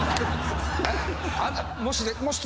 もし。